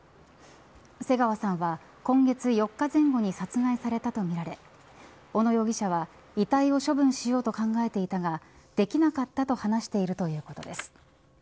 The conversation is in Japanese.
瀬川さんは今月４日前後に殺害されたとみられ小野容疑者は遺体を処分しようと考えていたができなかったと話しているということです。